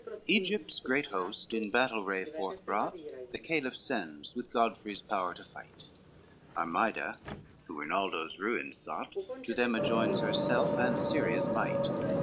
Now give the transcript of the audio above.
Egypt's great host in battle ray forth brought, The Caliph sends with Godfrey's power to fight; Armida, who Rinaldo's ruin sought, To them adjoins herself and Syria's might.